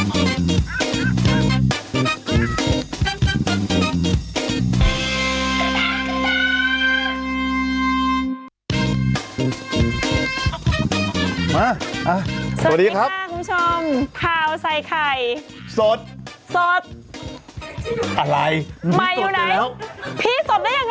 สวัสดีค่ะคุณผู้ชมข่าวใส่ไข่สดสดอะไรใหม่อยู่ไหนพี่ตอบได้ยังไง